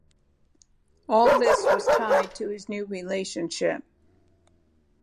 All this was tied to his new relationship.